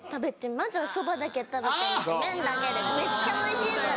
まずはそばだけ食べてみて麺だけでめっちゃおいしいから」。